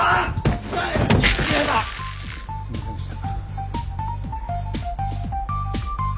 すいませんでした。